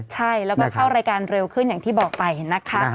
ใช่แล้วก็เข้ารายการเร็วขึ้นอย่างที่บอกไปนะคะ